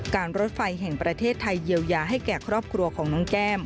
รถไฟแห่งประเทศไทยเยียวยาให้แก่ครอบครัวของน้องแก้ม